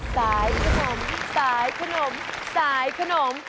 สายขนมสายขนมสายขนม